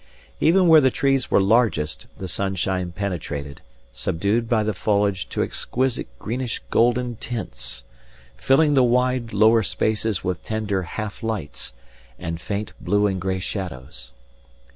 Even where the trees were largest the sunshine penetrated, subdued by the foliage to exquisite greenish golden tints, filling the wide lower spaces with tender half lights, and faint blue and gray shadows.